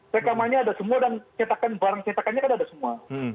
rekamannya ada semua dan barang cetakannya ada semua